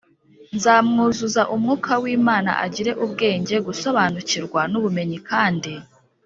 Nzamwuzuza umwuka w Imana agire ubwenge gusobanukirwa n ubumenyi kandi